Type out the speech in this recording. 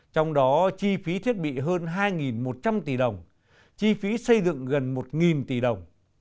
trong đó chi phí thiết bị hơn hai một trăm linh tỷ đồng chi phí xây dựng gần một tỷ đồng